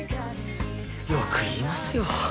よく言いますよ。